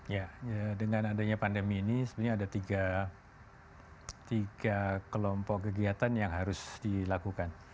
ya dengan adanya pandemi ini sebenarnya ada tiga kelompok kegiatan yang harus dilakukan